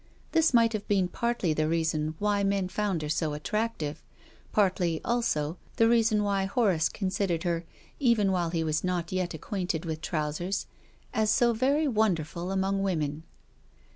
This mi^ht have been partly the reason why men found her so attractive, partly, also, the reason why Horace considered her, even while he was not yet acquainted with trousers, as so very wonderful among women.